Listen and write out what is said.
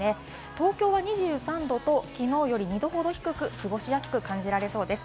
東京は２３度ときのうより２度ほど低く、過ごしやすく感じられそうです。